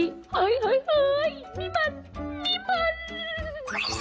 เฮ้ยนี่มันนี่มัน